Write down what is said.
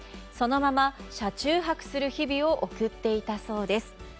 そのまま、車中泊する日々を送っていたそうです。